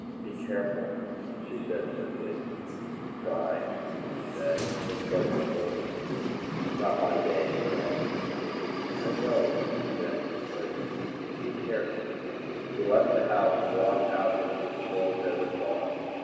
"Be careful," she said simply. "Try," he said. Then he shrugged. "Not my day, anyway." "I know," she said. "But be careful." He left the house and walked out into the chill desert dawn.